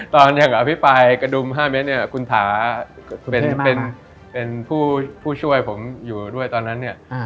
ตอนอย่างอภิปรายกระดุม๕เมตรเนี่ยคุณถาเป็นผู้ช่วยผมอยู่ด้วยตอนนั้นเนี่ย